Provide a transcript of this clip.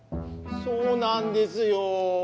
そうなんですよ。